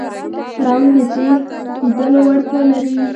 پړانګ د تېز لیدلو وړتیا لري.